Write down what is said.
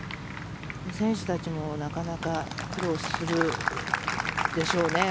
選手たちもなかなか苦労するでしょうね。